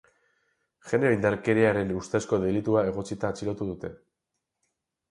Genero indarkeriaren ustezko delitua egotzita atxilotu dute.